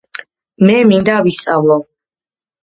მე მინდა ვისწავლო